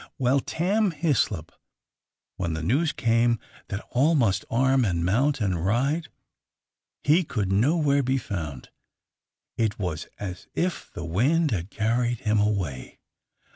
Well, Tam Hislop, when the news came that all must arm and mount and ride, he could nowhere be found. It was as if the wind had carried him away.